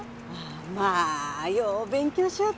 まあよう勉強しよっ